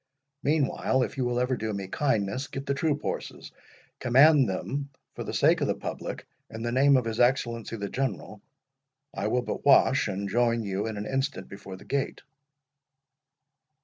Meanwhile, if you will ever do me kindness, get the troop horses—command them for the service of the public, in the name of his Excellency the General. I will but wash, and join you in an instant before the gate."